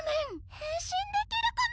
変身できるコメ！